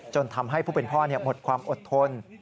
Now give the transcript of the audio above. จนทำให้ผู้เป็นพ่อหมดความอดทน